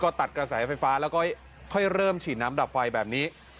ก็ตัดกระแสไฟฟ้าแล้วก็ค่อยเริ่มฉีดน้ำดับไฟแบบนี้